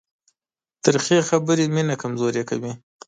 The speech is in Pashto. تریخې خبرې مینه کمزورې کوي.